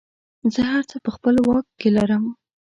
زه هر څه په خپله واک کې لرم.